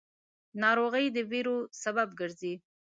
ناروغۍ د وېرو سبب وګرځېدې.